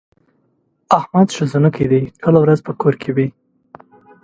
احمد ښځنوکی دی؛ ټوله ورځ په کور کې وي.